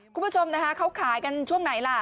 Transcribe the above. คุณผู้ชมนะคะเขาขายกันช่วงไหนล่ะ